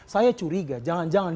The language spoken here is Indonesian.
saya curiga jangan jangan